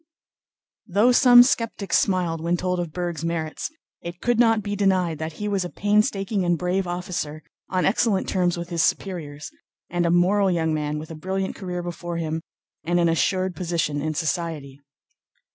Though some skeptics smiled when told of Berg's merits, it could not be denied that he was a painstaking and brave officer, on excellent terms with his superiors, and a moral young man with a brilliant career before him and an assured position in society.